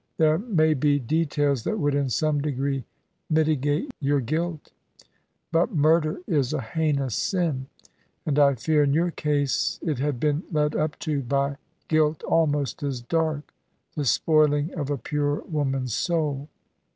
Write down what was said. There may be details that would in some degree mitigate your guilt; but murder is a heinous sin, and I fear in your case it had been led up to by guilt almost as dark, the spoiling of a pure woman's soul.